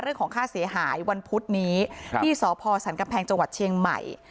เรื่องของค่าเสียหายวันพุธนี้ที่สพสันกำแพงจังหวัดเชียงใหม่